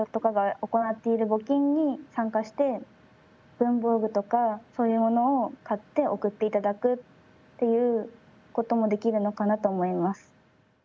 文房具とかそういうものを買って送っていただくっていうこともできるのかなと思います。